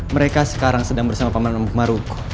mereka sekarang sedang bersama paman paman maruko